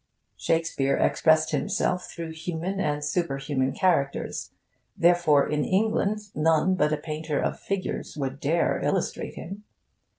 Shakespeare expressed himself through human and superhuman characters; therefore in England none but a painter of figures would dare illustrate him.